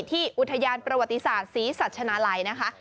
ที่อุทยานประวัติศาสตร์ศรีสัชนาลัยนะคะ